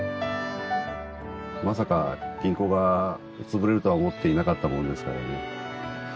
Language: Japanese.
まさか銀行がつぶれるとは思っていなかったものですからね。